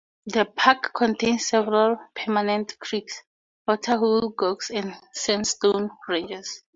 The park contains several permanent creeks, waterholes, gorges, and sandstone ranges.